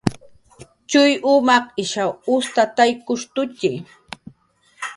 Tx'uy umaq ishaw ustataykushtutxi